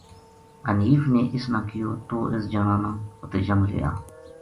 حنیف نے اس نا کہیو توہ اس جنازہ نا فتح جنگ لے آ